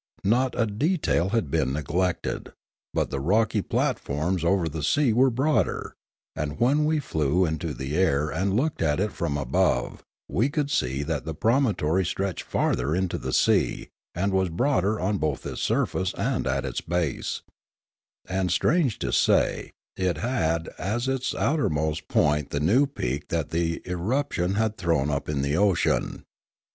Not a detail had been neglected; but the rocky platforms over the sea were broader, and when we flew into the air and looked at it from above we could see that the promontory stretched farther into the sea and was broader both on its surface and at its base; and strange to say, it had as its outermost point the new peak that the eruption had thrown up in the ocean.